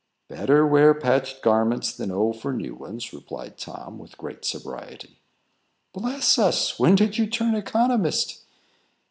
"Better wear patched garments than owe for new ones," replied Tom, with great sobriety. "Bless us! when did you turn economist?"